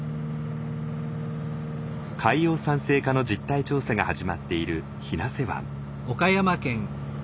海洋酸性化の実態調査が始まっている日生湾。